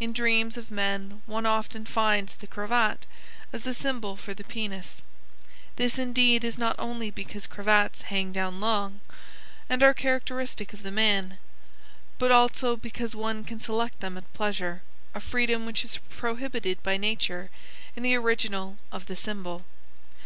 In dreams of men one often finds the cravat as a symbol for the penis; this indeed is not only because cravats hang down long, and are characteristic of the man, but also because one can select them at pleasure, a freedom which is prohibited by nature in the original of the symbol.